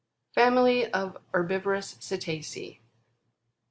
FAMILY OF HERBIVOROUS CETACEA.